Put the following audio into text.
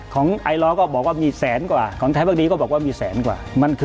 ของไอลอก็บอกว่ามีแสนกว่าของไทยพักดีก็บอกว่ามีแสนกว่า